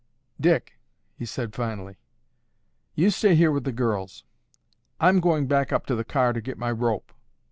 "Dick," he said finally, "you stay here with the girls. I'm going back up to the car to get my rope.